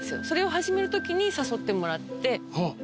それを始めるときに誘ってもらって。